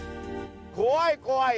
怖い怖い！